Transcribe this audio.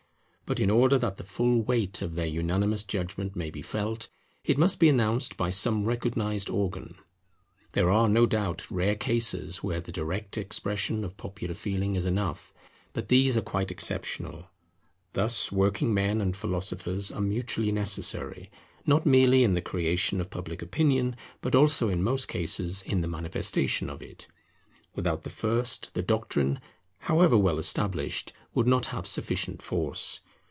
But in order that the full weight of their unanimous judgment may be felt, it must be announced by some recognized organ. There are, no doubt, rare cases where the direct expression of popular feeling is enough, but these are quite exceptional. Thus working men and philosophers are mutually necessary, not merely in the creation of Public Opinion, but also in most cases in the manifestation of it. Without the first, the doctrine, however well established, would not have sufficient force.